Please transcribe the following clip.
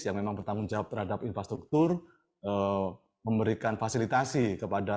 yang memang bertanggung jawab terhadap infrastruktur memberikan fasilitasi kepada